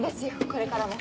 これからも。